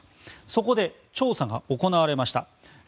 そこで調査が行われました。